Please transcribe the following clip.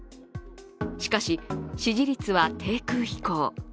しかし、支持率は低空飛行。